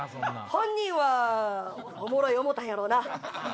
本人はおもろい思たんやろな。